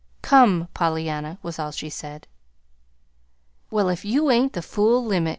"Come, Pollyanna," was all she said. "Well, if you ain't the fool limit!"